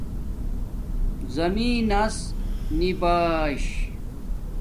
زمین نس نی باش